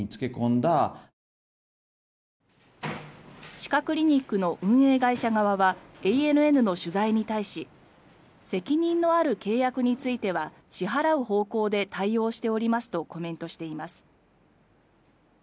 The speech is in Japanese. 歯科クリニックの運営会社側はＡＮＮの取材に対し責任のある契約については支払う方向で対応しておりますとコメントしています。